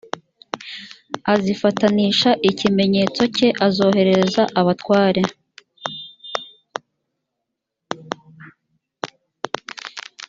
azifatanisha ikimenyetso cye azoherereza abatware